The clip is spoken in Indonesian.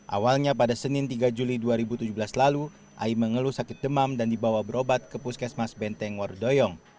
awalnya pada senin tiga juli dua ribu tujuh belas lalu ai mengeluh sakit demam dan dibawa berobat ke puskesmas benteng wardoyong